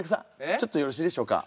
ちょっとよろしいでしょうか？